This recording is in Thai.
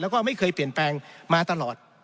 แล้วก็ไม่เคยเปลี่ยนแปลงมาตลอด